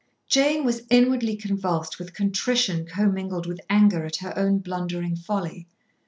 Jane was inwardly convulsed with contrition commingled with anger at her own blundering folly.